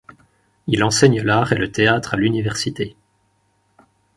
Il enseigne l'art et le théâtre à l'université.